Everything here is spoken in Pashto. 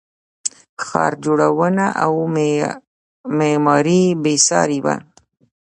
ښار جوړونه او معمارۍ بې ساري وه